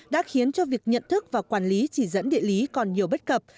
đã khiến cho việc nhận thức và quản lý chỉ dẫn địa lý còn nhiều bất cập